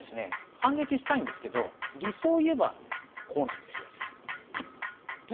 反撃したいんですけど理想を言えばこうなんですよ。ね？